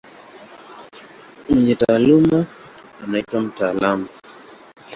Mwenye taaluma anaitwa mtaalamu.